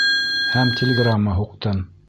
Һәм телеграмма һуҡтым.